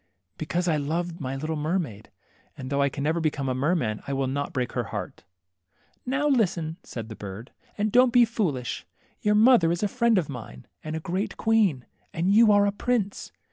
Because I love my little mermaid, and though I can never be a merman, I will not break her heart." THE MERMAID^ 13 Now listen," said the bird, and don't be foolish. Your mother is a friend of mine, and a great queen ; and you are a prince.